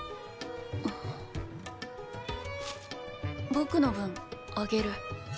僕の分あげる。